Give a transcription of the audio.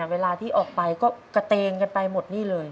เวลาที่ออกไปก็กระเตงกันไปหมดนี่เลย